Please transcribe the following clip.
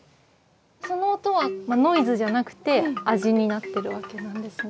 その音はノイズじゃなくて味になってるわけなんですね。